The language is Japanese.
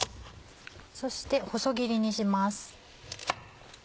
そして細切りにします。